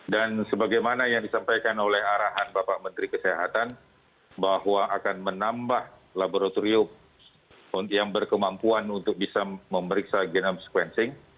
dan sebagaimana yang disampaikan oleh arahan bapak menteri kesehatan bahwa akan menambah laboratorium yang berkemampuan untuk bisa memeriksa genome sequencing